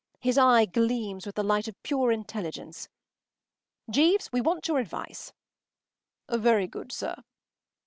His eye gleams with the light of pure intelligence. “Jeeves, we want your advice.” “Very good, sir.